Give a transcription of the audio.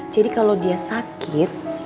jadi kalau dia sakit